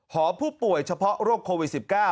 หอผู้ป่วยเฉพาะโรคโควิด๑๙